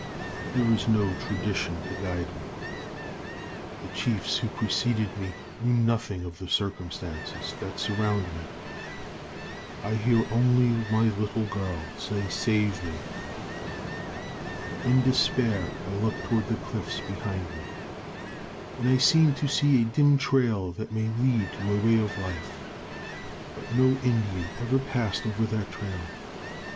There is no tradition to guide me. The chiefs who preceded me knew nothing of the circumstances that surround me. I hear only my little girl say, "Save me." In despair I look toward the cliffs behind me, and I seem to see a dim trail that may lead to a way of life. But no Indian ever passed over that trail.